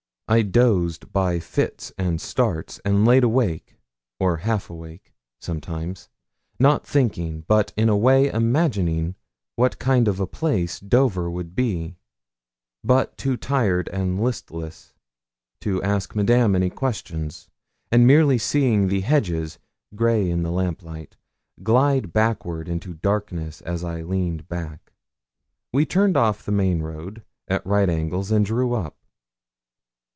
I dozed by fits and starts, and lay awake, or half awake, sometimes, not thinking but in a way imagining what kind of a place Dover would be; but too tired and listless to ask Madame any questions, and merely seeing the hedges, grey in the lamplight, glide backward into darkness, as I leaned back. We turned off the main road, at right angles, and drew up.